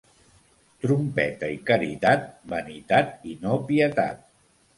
Trompeta i caritat, vanitat i no pietat.